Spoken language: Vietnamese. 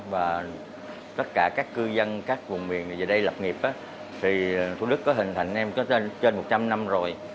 và tất cả các cư dân các vùng miền ở đây lập nghiệp thì thủ đức có hình thành nêm trên một trăm linh năm rồi